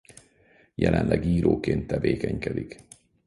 Jelenleg íróként tevékenykedik.